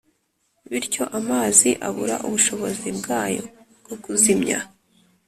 bityo amazi abura ubushobozi bwayo bwo kuzimya;